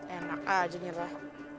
enak aja nyerah